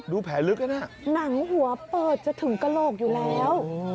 แผลลึกนะหนังหัวเปิดจะถึงกระโหลกอยู่แล้ว